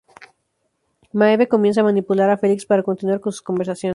Maeve comienza a manipular a Felix para continuar con sus conversaciones.